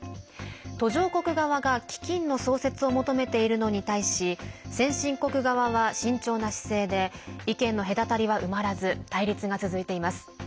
途上国側が基金の創設を求めているのに対し先進国側は、慎重な姿勢で意見の隔たりは埋まらず対立が続いています。